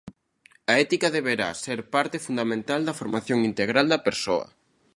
A ética debera ser parte fundamental da formación integral da persoa.